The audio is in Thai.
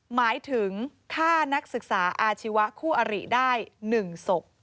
หมายถึงฆ่านักศึกษาอาชีวะคู่อริได้๑ศพ